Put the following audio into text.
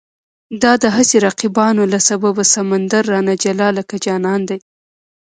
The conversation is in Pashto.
د دا هسې رقیبانو له سببه، سمندر رانه جلا لکه جانان دی